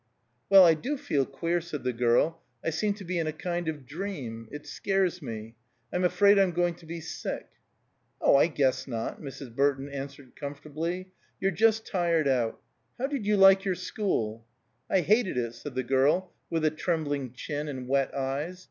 "Well, I do feel queer," said the girl. "I seem to be in a kind of dream. It scares me. I'm afraid I'm going to be sick." "Oh, I guess not," Mrs. Burton answered comfortably. "You're just tired out. How did you like your school?" "I hated it," said the girl, with a trembling chin and wet eyes.